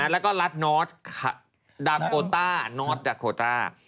แล้วก็รัฐนอร์ดดาโกต้านอร์ดดาโกต้า